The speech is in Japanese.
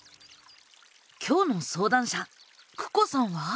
今日の相談者ＫＵＫＯさんは？